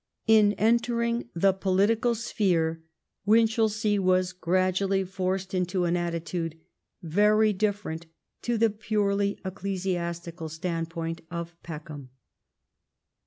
In entering the political sphere Winchelsea was gradually forced into an attitude very different to the purely ecclesiastical standpoint of Peckham.